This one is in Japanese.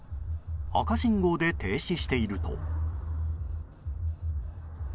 赤信号で停止していると。